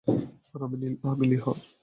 আর আমি লিহ।